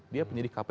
dia penyidik kpk